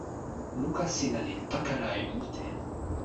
luka sina li pakala e mute.